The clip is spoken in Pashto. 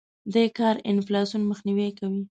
دې کار انفلاسیون مخنیوی کړی.